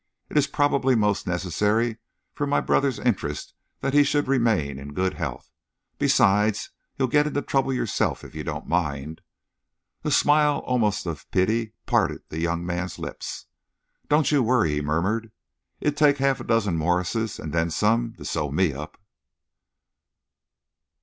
"It is probably most necessary for my brother's interests that he should remain in good health. Besides, you'll get into trouble yourself if you don't mind." A smile almost of pity parted the young man's lips. "Don't you worry," he murmured. "It'd take half a dozen Morses, and then some, to sew me up."